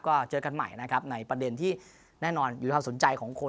ก็เจอกันใหม่นะครับในประเด็นที่แน่นอนอยู่ในความสนใจของคน